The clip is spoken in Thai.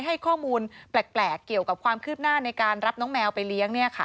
ให้ข้อมูลแปลกเกี่ยวกับความคืบหน้าในการรับน้องแมวไปเลี้ยง